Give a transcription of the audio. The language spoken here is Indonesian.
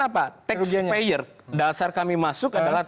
apa taxpayer dasar kami masuk adalah